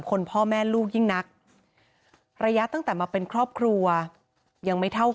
คนพ่อแม่ลูกยิ่งนักระยะตั้งแต่มาเป็นครอบครัวยังไม่เท่า